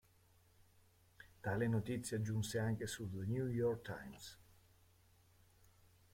Tale notizia giunse anche sul The New York Times.